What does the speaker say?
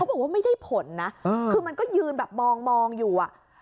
บอกว่าไม่ได้ผลนะคือมันก็ยืนแบบมองอยู่อ่ะ